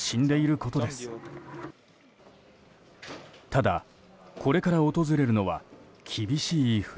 ただ、これから訪れるのは厳しい冬。